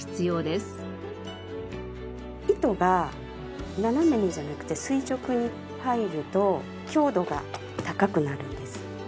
糸が斜めにじゃなくて垂直に入ると強度が高くなるんです。